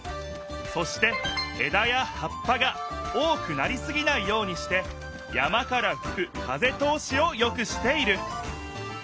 そしてえだやはっぱが多くなりすぎないようにして山からふく風通しをよくしている。